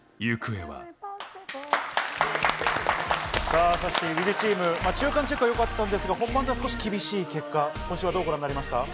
さぁさっしー中間チェックはよかったんですが本番では少し厳しい結果今週はどうご覧になりました？